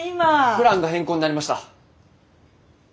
プランが変更になりました。